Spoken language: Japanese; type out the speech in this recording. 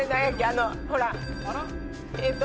あのほらえーっと。